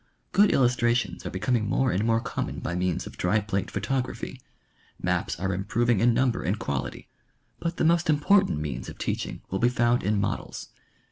Good illustrations are becoming more and more common by means of dry plate pho tography ; maps are improving in number and quality ; but the most important means of teaching will be found in models.